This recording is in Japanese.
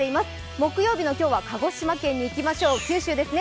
木曜日の今日は鹿児島県に行きましょう、九州ですね。